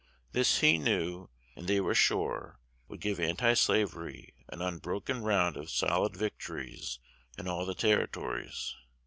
This he knew, and they were sure, would give antislavery an unbroken round of solid victories in all the Territories.